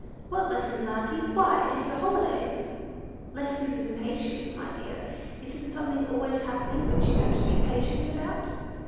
"What lessons, auntie? Why, it is the holidays!" "Lessons in patience, my dear. Isn't something always happening which you have to be patient about?"